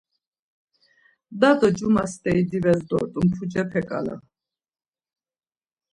Da do cuma steri dives dort̆un pu-cepe ǩala.